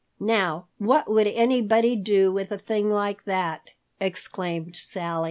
"Now, what would anybody do with a thing like that?" exclaimed Sally.